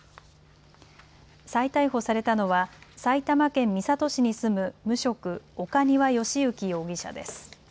再逮捕されたのは埼玉県三郷市に住む無職、岡庭由征容疑者です。